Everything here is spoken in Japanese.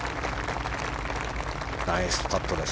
ナイスパットです。